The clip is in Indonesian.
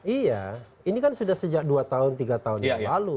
iya ini kan sudah sejak dua tahun tiga tahun yang lalu